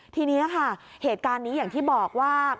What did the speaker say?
ทีนี้ค่ะเหตุการณ์นี้อย่างที่บอกว่า